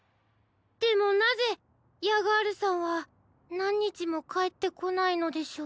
でもなぜヤガールさんはなんにちもかえってこないのでしょうか？